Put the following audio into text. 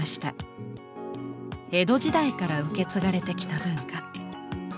江戸時代から受け継がれてきた文化。